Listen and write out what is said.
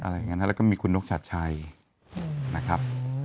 แล้วก็มีคุณนกชัดชัยนะครับ